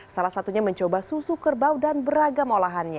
salah satunya mencoba susu kerbau dan beragam olahannya